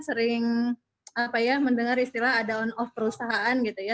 sering mendengar istilah ada on off perusahaan gitu ya